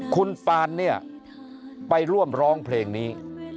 คุณปานเนี่ยไปร่วมร้องเพลงนี้